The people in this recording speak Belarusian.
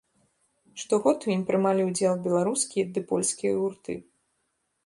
Штогод у ім прымалі ўдзел беларускія ды польскія гурты.